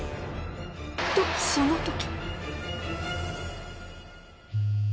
とその時。